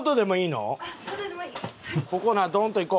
ここなドーンといこう。